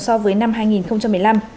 so với năm hai nghìn một mươi năm